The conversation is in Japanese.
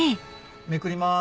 めくります。